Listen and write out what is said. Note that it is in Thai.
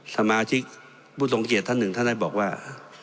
สมาชิกผู้ทรงเกียจท่านหนึ่งท่านได้บอกว่า